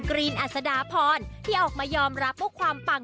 รีนอัศดาพรที่ออกมายอมรับว่าความปัง